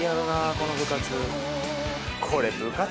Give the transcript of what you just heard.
この部活。